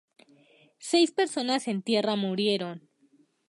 Seis personas en tierra murieron.